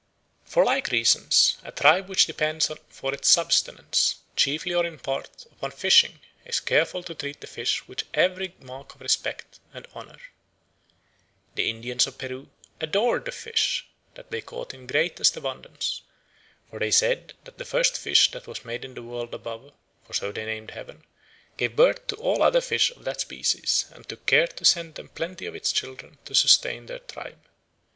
For like reasons, a tribe which depends for its subsistence, chiefly or in part, upon fishing is careful to treat the fish with every mark of honour and respect. The Indians of Peru "adored the fish that they caught in greatest abundance; for they said that the first fish that was made in the world above (for so they named Heaven) gave birth to all other fish of that species, and took care to send them plenty of its children to sustain their tribe.